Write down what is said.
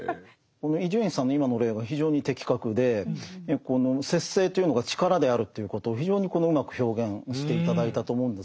伊集院さんの今の例は非常に的確でこの節制というのが力であるということを非常にうまく表現して頂いたと思うんです。